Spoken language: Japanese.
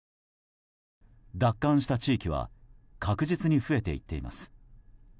奪還した地域は確実に増えていっています。